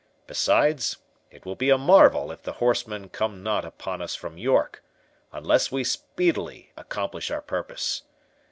Besides, it will be a marvel if the horsemen come not upon us from York, unless we speedily accomplish our purpose.